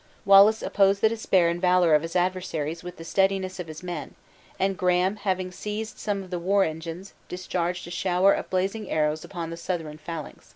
Wallace opposed the despair and valor of his adversaries with the steadiness of his men; and Graham having seized some of the war engines, discharged a shower of blazing arrows upon the Southron phalanx.